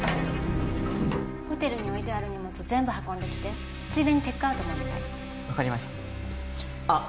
ホテルに置いてある荷物全部運んできてついでにチェックアウトもお願い分かりましたあっ